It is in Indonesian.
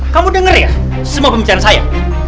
kamu denger ya semua pembicaraan saya